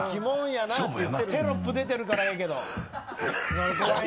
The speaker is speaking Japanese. テロップ出てるからいいけど。